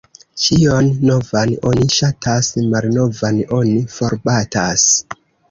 Ĉion novan oni ŝatas, malnovan oni forbatas.